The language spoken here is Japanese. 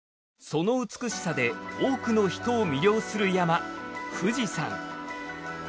その美しさで多くの人を魅了する山富士山。